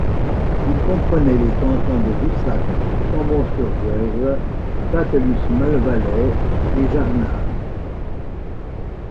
Il comprenait les cantons de Boussac, Chambon-sur-Voueize, Châtelus-Malvaleix et Jarnages.